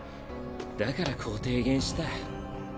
だからこう提言した。